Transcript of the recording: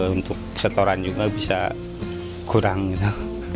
untuk setoran juga bisa kurang gitu